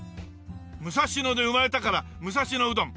武蔵野で生まれたから「武蔵野うどん」。